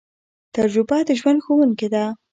تجربه د ژوند ښوونکی ده